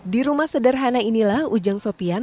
di rumah sederhana inilah ujang sopian